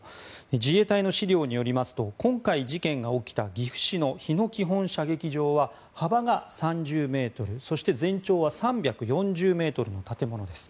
自衛隊の資料によりますと今回事件が起きた岐阜市の日野基本射撃場は幅が３０ｍ、そして全長は３４０ｍの建物です。